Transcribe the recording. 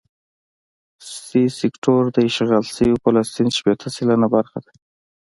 سي سیکټور د اشغال شوي فلسطین شپېته سلنه برخه ده.